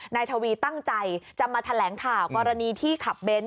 นายทวีตั้งใจจะมาแถลงข่าวกรณีที่ขับเบนท